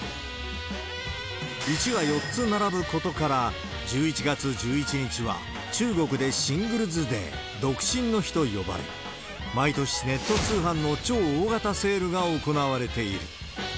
１が４つ並ぶことから、１１月１１日は、中国でシングルズデー・独身の日と呼ばれ、毎年、ネット通販で超大型セールが行われている。